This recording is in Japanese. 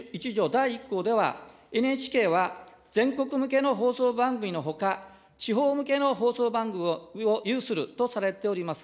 第１項では、ＮＨＫは、全国向けの放送番組のほか、地方向けの放送番組を有するとされております。